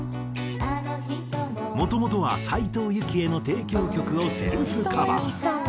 もともとは斉藤由貴への提供曲をセルフカバー。